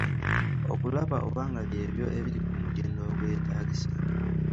Okulaba oba nga by’ebyo ebiri ku mutindo ogwetaagisa.